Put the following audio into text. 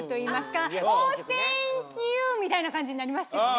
みたいな感じになりますよね